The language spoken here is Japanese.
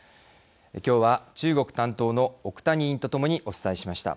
今日は中国担当の奥谷委員と共にお伝えしました。